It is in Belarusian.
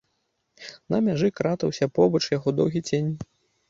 На мяжы кратаўся побач яго доўгі цень.